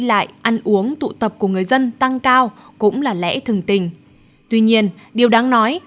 đi lại ăn uống tụ tập của người dân tăng cao cũng là lẽ thường tình tuy nhiên điều đáng nói